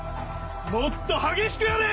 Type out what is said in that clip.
もっと激しくやれ！